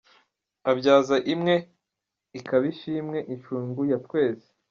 Abyaza imwe ikaba ishimwe, Inshungu ya twese.